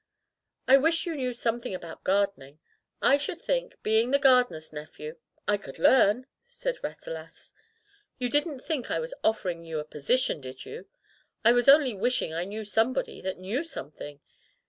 "I wish you knew something about gar dening. I should think, being the gardener's nephew " "I could learn!" said Rasselas. "You didn't think I was offering you a position, did you ? I was only wishing I knew somebody that knew something.